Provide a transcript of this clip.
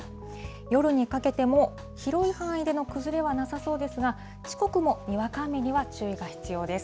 夜にかけても、広い範囲での崩れはなさそうですが、四国もにわか雨には注意が必要です。